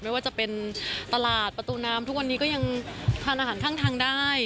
ไม่ว่าจะเป็นตลาดประตูน้ำทุกวันนี้ก็ยังทานอาหารข้างทางได้